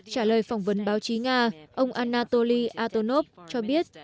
trả lời phỏng vấn báo chí nga ông anatoly atonov cho biết